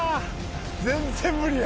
全然無理や！